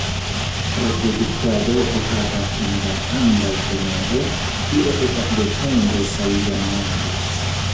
Reproduktado okazas en la andaj somero, tio estas decembre kaj januare.